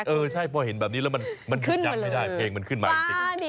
เออใช่พอเห็นแบบนี้แล้วมันหยุดยั้งไม่ได้เพลงมันขึ้นมาจริง